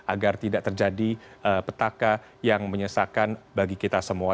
agar tidak terjadi petaka yang menyesakan bagi kita semua